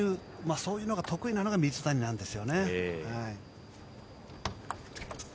そういうのが得意なのが水谷なんです。